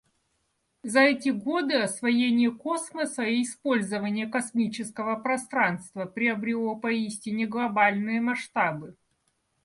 За эти годы освоение космоса и использование космического пространства приобрело поистине глобальные масштабы.